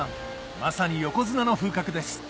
まさに横綱の風格です